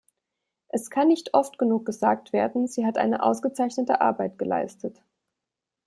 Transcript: Es kann nicht oft genug gesagt werden, sie hat eine ausgezeichnete Arbeit geleistet.